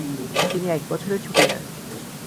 তিনি এক বছরের ছুটি নেন।